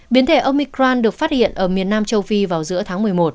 biến thể omicran được phát hiện ở miền nam châu phi vào giữa tháng một mươi một